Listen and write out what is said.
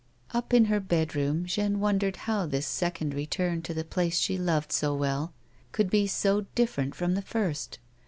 Up in her bedroom Jeanne wondered how this second re turn to the place she loved so well could be so difierent from the first.